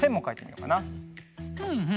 うんうん。